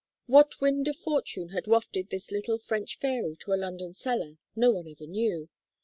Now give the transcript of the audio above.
What wind of fortune had wafted this little French fairy to a London cellar, no one ever knew.